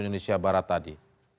indonesia barat tadi